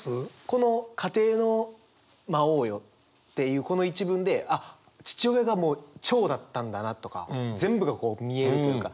この「家庭の魔王よ」っていうこの一文であっ父親が長だったんだなとか全部がこう見えるというか。